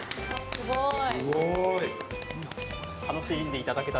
すごい。